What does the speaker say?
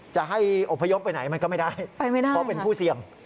จะให้อบพยพไปไหนมันก็ไม่ได้ไปไม่ได้เพราะเป็นผู้เสี่ยง